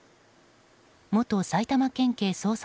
元埼玉県捜査